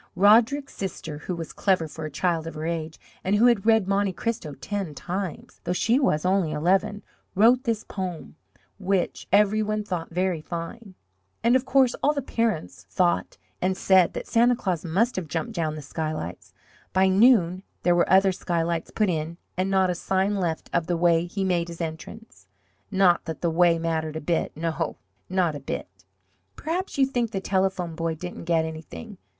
Roderick's sister, who was clever for a child of her age, and who had read Monte Cristo ten times, though she was only eleven, wrote this poem, which every one thought very fine. And of course all the parents thought and said that Santa Claus must have jumped down the skylights. By noon there were other skylights put in, and not a sign left of the way he made his entrance not that the way mattered a bit, no, not a bit. Perhaps you think the Telephone Boy didn't get anything!